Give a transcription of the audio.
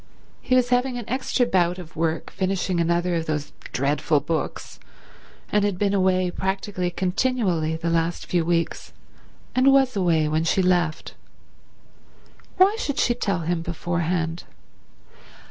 He was having an extra bout of work finishing another of those dreadful books, and had been away practically continually the last few weeks, and was away when she left. Why should she tell him beforehand?